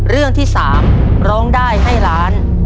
เรื่องที่๓ร้องได้ให้ล้าน